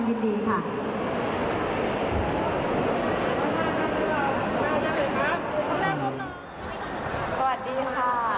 สวัสดีค่ะสวัสดีค่ะ